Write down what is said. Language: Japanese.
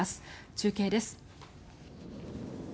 中継です。